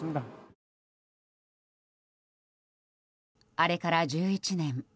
あれから１１年。